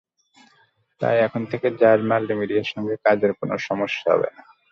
তাই এখন থেকে জাজ মাল্টিমিডিয়ার সঙ্গে কাজের কোনো সমস্যা হবে না।